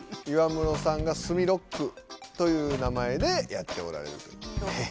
岩室さんがスミロックという名前でやっておられるという。